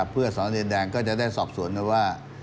เพื่อสอนเนินแดงก็จะได้สอบสวนกันว่า